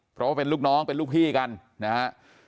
เพราะว่าเป็นลูกน้องเป็นลูกพี่กันนะฮะ